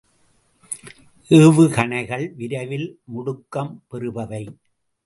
ஏவுகணைகள் விரைவில் முடுக்கம் பெறுபவை.